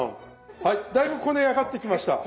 はいだいぶこね上がってきました。